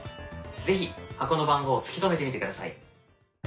是非箱の番号を突き止めてみてください。